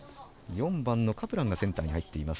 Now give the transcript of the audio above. ４番のカプランがセンターに入っています。